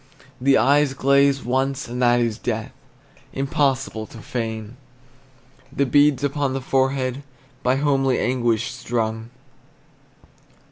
The eyes glaze once, and that is death. Impossible to feign The beads upon the forehead By homely anguish strung.